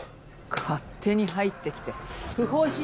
勝手に入ってきて不法侵入ですか？